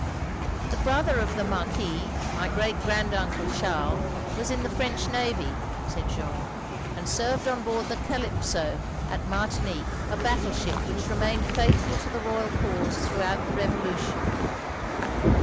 "The brother of the Marquis, my great grand uncle Charles, was in the French navy, '' said Jeanne "and served on board the Calipso, at Martinique; a battle ship which remained faithful to the royal cause throughout the Revolution.